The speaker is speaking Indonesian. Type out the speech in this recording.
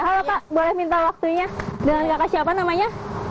halo pak boleh minta waktunya dengan kakak siapa namanya